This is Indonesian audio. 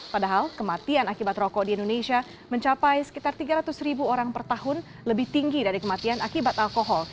padahal kematian akibat rokok di indonesia mencapai sekitar tiga ratus ribu orang per tahun lebih tinggi dari kematian akibat alkohol